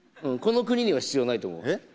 うん、この国には必要ないと思うよ。